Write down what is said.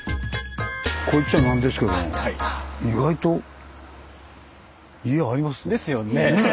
こう言っちゃなんですけども意外と家ありますね。ですよね。